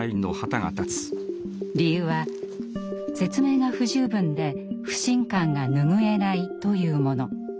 理由は、説明が不十分で不信感が拭えないというもの。